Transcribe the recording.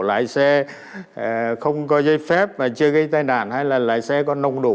lái xe không có dây phép mà chưa gây tai nạn hay là lái xe có nông đủ